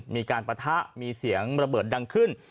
ปะทะมีเสียงระเบิดดังขึ้น